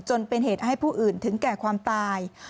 จนเป็นเหตุให้ผู้อื่นถึงแก่ความตาย